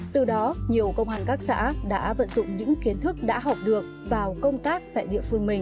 từ đó nhiều công an các xã đã vận dụng những kiến thức đã học được vào công tác tại địa phương mình